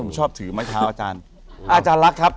ผมชอบถือไม้เท้าอาจารย์